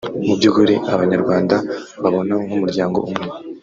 “Mu by’ukuri Abanyarwanda mbabona nk’umuryango umwe